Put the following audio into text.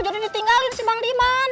jadi ditinggalin si bang liman